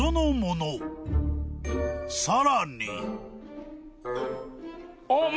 ［さらに］